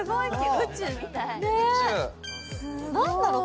宇宙すごい何だろう